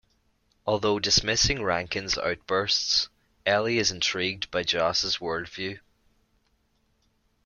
Although dismissing Rankin's outbursts, Ellie is intrigued by Joss' worldview.